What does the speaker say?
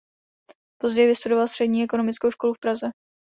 Později vystudoval Střední ekonomickou školu v Praze.